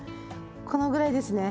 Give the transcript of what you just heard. このぐらいですね。